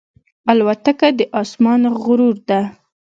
الوتکه د آسمان غرور ده.